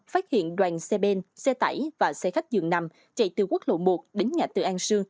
phát hiện đoàn xe bên xe tải và xe khách dường nằm chạy từ quốc lộ một đến ngã từ an sương